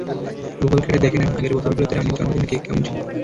Google ঘেঁটে দেখে নেন আগের বছরগুলোতে রানির জন্মদিনের কেক কেমন ছিল।